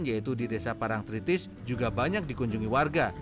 yaitu di desa parang tritis juga banyak dikunjungi warga